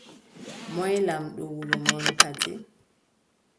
Moy lamɗo wuro mon kadi ?